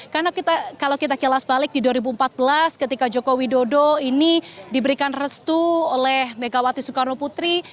karena kalau kita kilas balik di dua ribu empat belas ketika joko widodo ini diberikan restu oleh megawati soekarno putri